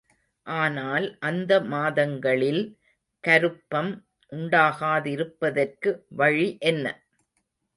ஆனால் அந்த மாதங்களில் கருப்பம் உண்டாகாதிருப்பதற்கு வழி என்ன?